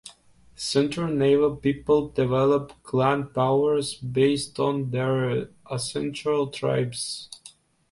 Certain Navajo people develop clan powers based on their ancestral tribes.